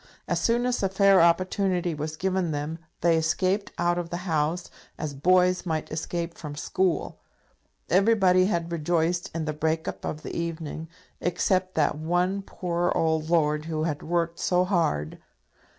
As soon as a fair opportunity was given them they escaped out of the House, as boys might escape from school. Everybody had rejoiced in the break up of the evening, except that one poor old lord who had worked so hard.